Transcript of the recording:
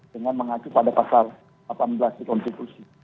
dengan mengacu pada pasal delapan belas di konstitusi